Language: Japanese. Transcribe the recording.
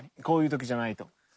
こういう時じゃないと。